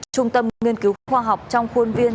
trung tâm nghiên cứu khoa học trong khuôn viên